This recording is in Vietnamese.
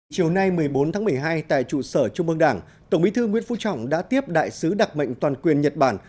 chiều nay một mươi bốn tháng một mươi hai tại trụ sở trung mương đảng tổng bí thư nguyễn phú trọng đã tiếp đại sứ đặc mệnh toàn quyền nhật bản